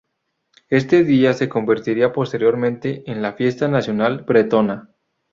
Este día se convertirá posteriormente en la fiesta nacional bretona.